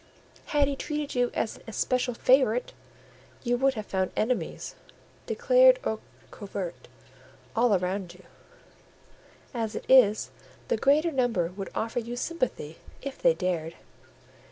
Had he treated you as an especial favourite, you would have found enemies, declared or covert, all around you; as it is, the greater number would offer you sympathy if they dared.